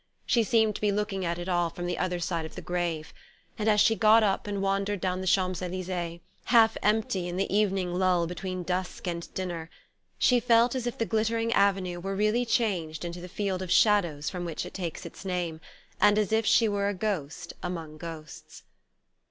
She seemed to be looking at it all from the other side of the grave; and as she got up and wandered down the Champs Elysees, half empty in the evening lull between dusk and dinner, she felt as if the glittering avenue were really changed into the Field of Shadows from which it takes its name, and as if she were a ghost among ghosts.